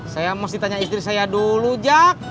saya mau ditanya istri saya dulu jack